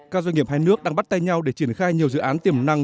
các doanh nghiệp hai nước đang bắt tay nhau để triển khai nhiều dự án tiềm năng